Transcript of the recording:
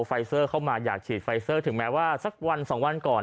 ไฟเซอร์เข้ามาอยากฉีดไฟเซอร์ถึงแม้ว่าสักวันสองวันก่อน